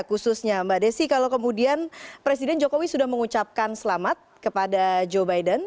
khususnya mbak desi kalau kemudian presiden jokowi sudah mengucapkan selamat kepada joe biden